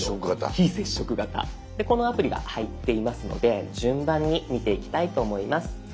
このアプリが入っていますので順番に見ていきたいと思います。